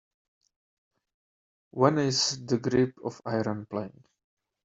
When is The Grip of Iron playing